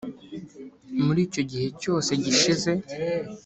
muri icyo gihe cyose gishize